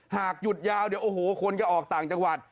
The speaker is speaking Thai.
หากหยุดยาวเดี๋ยวโอ้โหคนจะออกต่างจังหวัด